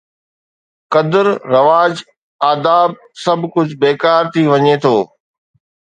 قدر، رواج، آداب، سڀ ڪجهه بيڪار ٿي وڃي ٿو.